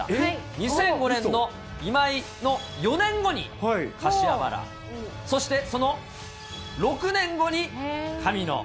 ２００５年の今井の４年後に柏原、そしてその６年後に神野。